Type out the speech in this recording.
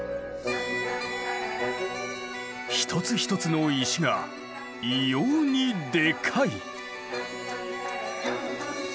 一つ一つの石が異様にでかい。